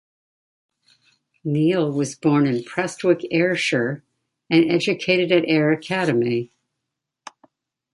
Neill was born in Prestwick, Ayrshire and educated at Ayr Academy.